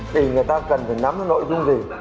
thì người ta cần phải nắm nội dung gì